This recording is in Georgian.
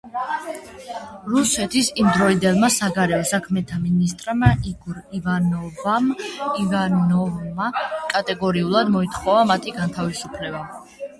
რუსეთის იმდროინდელმა საგარეო საქმეთა მინისტრმა იგორ ივანოვმა კატეგორიულად მოითხოვა მათი განთავისუფლება.